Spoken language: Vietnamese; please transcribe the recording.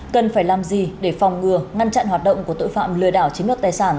cần phải làm gì để phòng ngừa ngăn chặn hoạt động của tội phạm lừa đảo chiếm đoạt tài sản